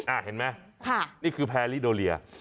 อะเห็นไหมนี่คือแฮลดบีลเดอะ